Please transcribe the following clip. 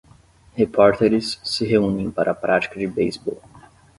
Repórteres se reúnem para a prática de beisebol.